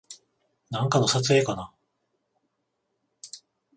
なんかの撮影かな